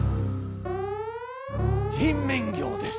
人面魚です。